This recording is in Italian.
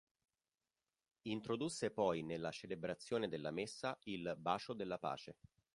Introdusse poi nella celebrazione della Messa il "bacio della pace".